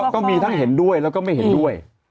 ก็มีทั้งเห็นด้วยแล้วก็ไม่เห็นด้วย